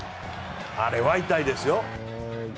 あれは痛いですよ。